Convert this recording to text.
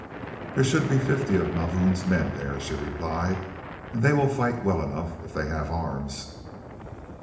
"There should be fifty of Mavoom's men there," she replied, "and they will fight well enough if they have arms."